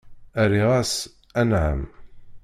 Rriɣ-as: Anɛam.